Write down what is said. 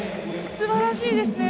すばらしいですね！